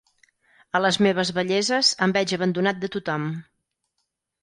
A les meves velleses, em veig abandonat de tothom.